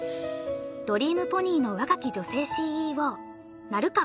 ドリームポニーの若き女性ＣＥＯ